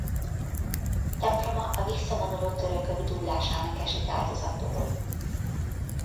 Temploma a visszavonuló törökök dúlásának esik áldozatul.